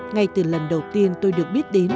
ngay từ lần đầu tiên tôi được biết đến